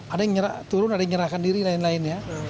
ada yang menyerahkan diri dan lain lain